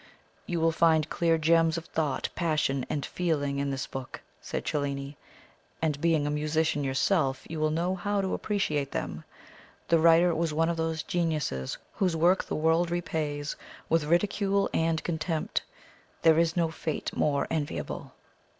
"You will find clear gems of thought, passion, and feeling in this book," said Cellini; "and being a musician yourself, you will know how to appreciate them. The writer was one of those geniuses whose work the world repays with ridicule and contempt. There is no fate more enviable!"